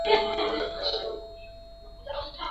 nao katika baa kwenda kwenye eneo la uzuri